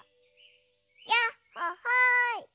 やっほほい。